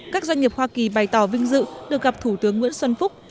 các doanh nghiệp hoa kỳ bày tỏ vinh dự được gặp thủ tướng nguyễn xuân phúc